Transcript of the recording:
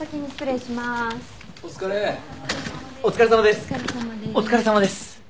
お疲れさまです。